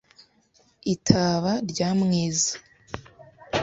Itaba rya Mwiza